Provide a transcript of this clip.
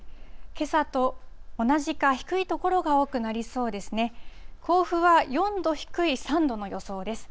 けさと同じか低い所が多くなりそうですね。